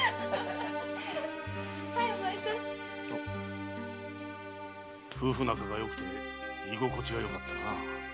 〔はいお前さん〕夫婦仲がよくて居心地がよかったな。